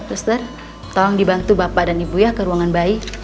dokter tolong dibantu bapak dan ibu ya ke ruangan bayi